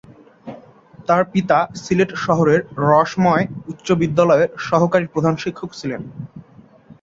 তার পিতা সিলেট শহরের রসময় উচ্চ বিদ্যালয়ের সহকারী প্রধান শিক্ষক ছিলেন।